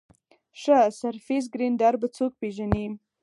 ښه سرفېس ګرېنډر به څوک پېژني ؟